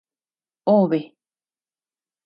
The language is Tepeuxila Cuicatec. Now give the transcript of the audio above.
Obe.